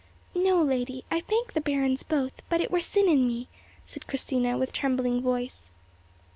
"No, lady, I thank the barons both, but it were sin in me," said Christina, with trembling voice.